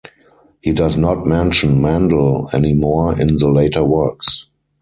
He does not mention Mendel any more in the later works.